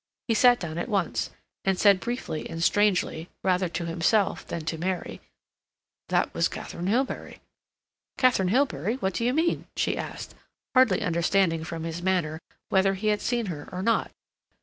He sat down at once, and said, briefly and strangely, rather to himself than to Mary: "That was Katharine Hilbery." "Katharine Hilbery? What do you mean?" she asked, hardly understanding from his manner whether he had seen her or not.